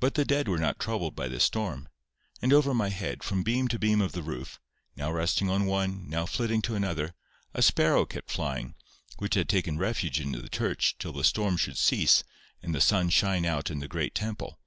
But the dead were not troubled by the storm; and over my head, from beam to beam of the roof, now resting on one, now flitting to another, a sparrow kept flying, which had taken refuge in the church till the storm should cease and the sun shine out in the great temple.